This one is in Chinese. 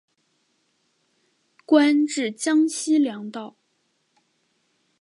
官至江西粮道。